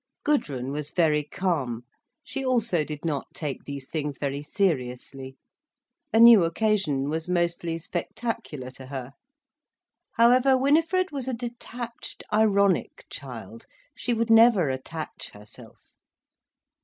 Gudrun was very calm. She also did not take these things very seriously. A new occasion was mostly spectacular to her. However, Winifred was a detached, ironic child, she would never attach herself.